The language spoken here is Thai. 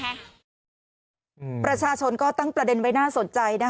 เกิดว่าจะต้องมาตั้งโรงพยาบาลสนามตรงนี้